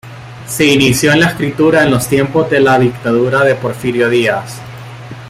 Se inició en la escritura en los tiempos de la dictadura de Porfirio Díaz.